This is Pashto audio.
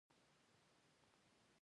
موږ د کور پاکولو کار پیل کړ.